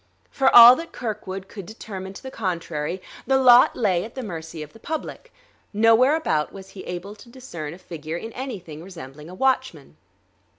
For all that Kirkwood could determine to the contrary, the lot lay at the mercy of the public; nowhere about was he able to discern a figure in anything resembling a watchman.